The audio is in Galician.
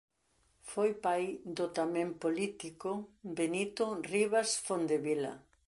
Foi pai do tamén político Benito Rivas Fondevila.